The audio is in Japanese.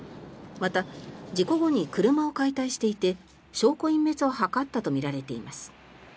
また、事故後に車を解体していて証拠隠滅を図ったとみられます。